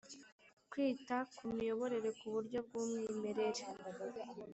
Kwita ku imiyoborere kuburyo bw’ umwimerere